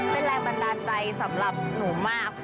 เป็นแรงบันดาลใจสำหรับหนูมาก